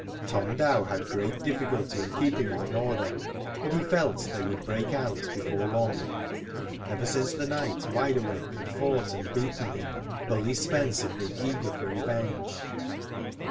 Tom Djw had great difficulty in keeping them in order, and he felt they would break out before long. Ever since the night Wide Awake had fought and beaten him. Bully Spence had been eager for revenge.